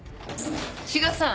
志賀さん